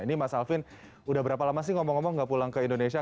ini mas alvin udah berapa lama sih ngomong ngomong nggak pulang ke indonesia